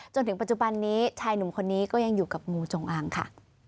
จนถึงปัจจุบันนี้ชายหนุ่มคนนี้ก็ยังอยู่กับงูจงอางค่ะ